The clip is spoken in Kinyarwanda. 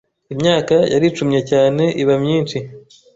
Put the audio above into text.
Imyaka yaricumye cyane iba myinshi